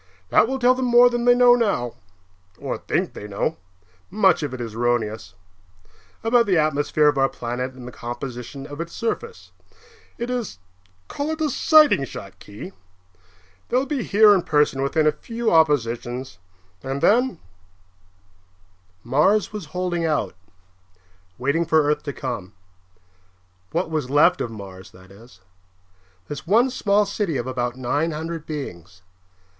That will tell them more than they know now (or think they know; much of it is erroneous) about the atmosphere of our planet and the composition of its surface. It is call it a sighting shot, Khee. They'll be here in person within a few oppositions. And then " Mars was holding out, waiting for Earth to come. What was left of Mars, that is; this one small city of about nine hundred beings.